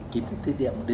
kita tidak bisa